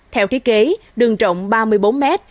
theo thiết kế đường trọng ba mươi bốn mét